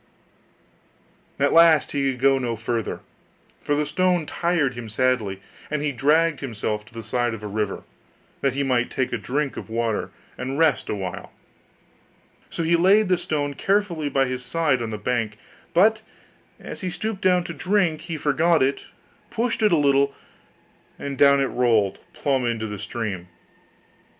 At last he could go no farther, for the stone tired him sadly: and he dragged himself to the side of a river, that he might take a drink of water, and rest a while. So he laid the stone carefully by his side on the bank: but, as he stooped down to drink, he forgot it, pushed it a little, and down it rolled, plump into the stream.